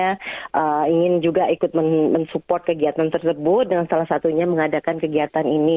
saya ingin juga ikut mensupport kegiatan tersebut dengan salah satunya mengadakan kegiatan ini